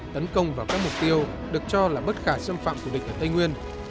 tấn công vào các mục tiêu được cho là bất khả xâm phạm của địch ở tây nguyên